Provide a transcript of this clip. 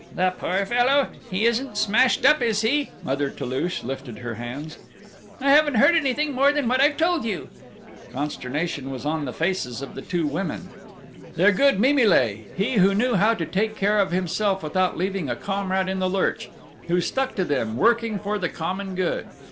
"The poor fellow!... He isn't smashed up, is he?" Mother Toulouche lifted her hands. "I haven't heard anything more than what I've told you!" Consternation was on the faces of the two women. Their good Mimile! He who knew how to take care of himself without leaving a comrade in the lurch, who stuck to them, working for the common good.